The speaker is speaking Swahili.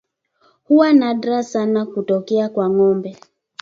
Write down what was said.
Huwa nadra sana kutokea kwa ng'ombe